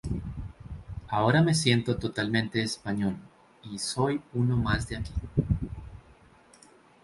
Ahora me siento totalmente español y soy uno más de aquí".